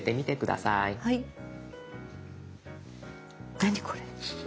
何これ？